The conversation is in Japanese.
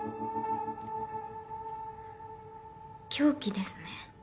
凶器ですね